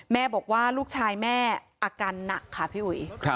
แม่บอกว่าลูกชายแม่อาการหนักค่ะพี่อุ๋ย